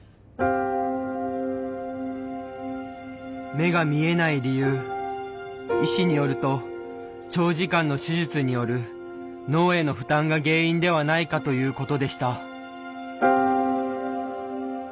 目が見えない理由医師によると長時間の手術による脳への負担が原因ではないかということでした。